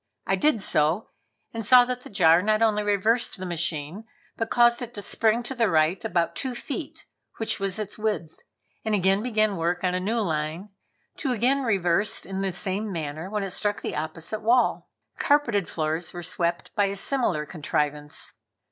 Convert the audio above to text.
I did so, and saw that the jar not only reversed the machine, but caused it to spring to the right about two feet, which was its width, and again begin work on a new line, to be again reversed in the same manner when it struck the opposite wall. Carpeted floors were swept by a similar contrivance.